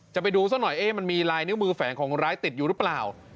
ไปดูซะหน่อยมันมีลายนิ้วมือแฝงของร้ายติดอยู่หรือเปล่า